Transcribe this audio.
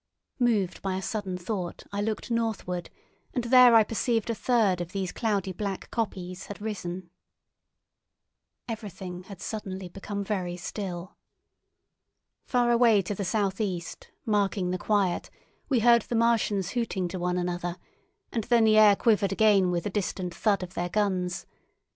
Moved by a sudden thought, I looked northward, and there I perceived a third of these cloudy black kopjes had risen. Everything had suddenly become very still. Far away to the southeast, marking the quiet, we heard the Martians hooting to one another, and then the air quivered again with the distant thud of their guns.